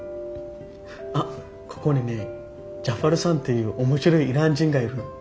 あっここにねジャファルさんっていう面白いイラン人がいるの。